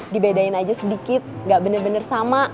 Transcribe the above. dibedain aja sedikit nggak bener bener sama